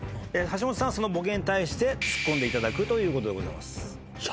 橋本さんはそのボケに対してツッコんでいただくということでございます。